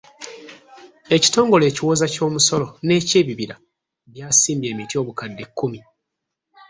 Ekitongole ekiwooza ky'omusolo n'ekyebibira byasimbye emiti obukadde kkumi